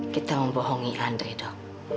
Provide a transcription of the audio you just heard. kita membohongi andri dok